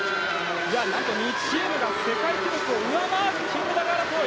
２チームが世界記録を上回って金メダル争い！